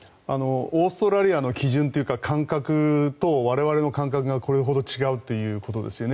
オーストラリアの基準というか感覚と我々の感覚がこれほど違うということですよね。